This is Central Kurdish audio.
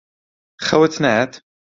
خەوت نایەت؟